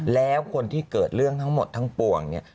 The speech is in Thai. แล้วคนที่เกิดเรื่องทั้งหมดทั้งปวงเนี่ย